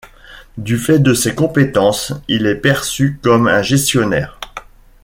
Du fait de ses compétences, il est perçu comme un gestionnaire.